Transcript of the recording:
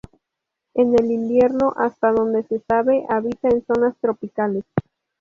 En el invierno, hasta donde se sabe, habita en zonas tropicales.